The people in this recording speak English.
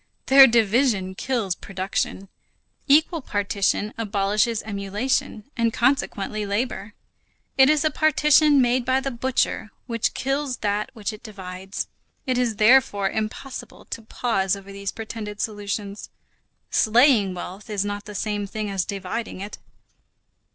Their division kills production. Equal partition abolishes emulation; and consequently labor. It is a partition made by the butcher, which kills that which it divides. It is therefore impossible to pause over these pretended solutions. Slaying wealth is not the same thing as dividing it.